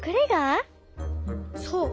そう。